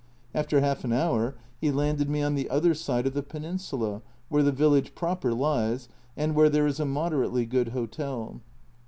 After half an hour he landed me on the other side of the peninsula, where the village proper lies, and where there is a moderately good hotel.